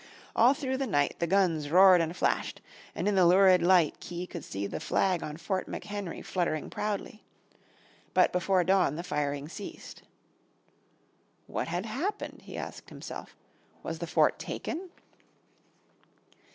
All through the night the guns roared and flashed, and in the lurid light Key could see the flag on Fort McHenry fluttering proudly. But before dawn the firing ceased. "What had happened," he asked himself, "was the fort taken?"